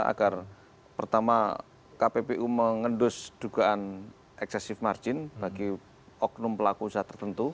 agar pertama kppu mengendus dugaan eksesif margin bagi oknum pelaku usaha tertentu